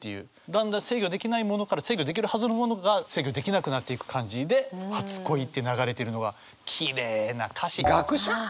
だんだん制御できないものから制御できるはずのものが制御できなくなっていく感じで「初恋」って流れてるのはきれいな歌詞。